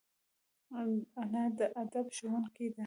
انا د ادب ښوونکې ده